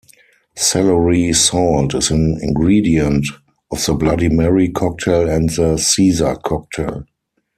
Celery salt is an ingredient of the Bloody Mary cocktail and the Caesar cocktail.